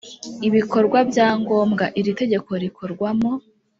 Ibikorwa bya ngombwa iri tegeko rikorwamo